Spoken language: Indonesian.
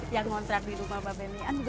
yang ngontrak di rumah bapak bni